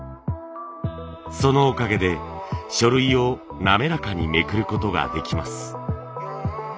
そのおかげで書類を滑らかにめくることができます。